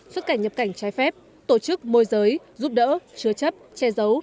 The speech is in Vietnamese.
xuất cảnh nhập cảnh trái phép tổ chức môi giới giúp đỡ chứa chấp che giấu